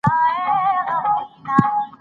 لارښوونه ئې كوي، د الله دا كتاب ئې لارښود شي